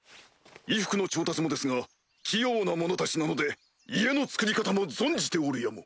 衣服の調達もですが器用な者たちなので家の造り方も存じておるやも！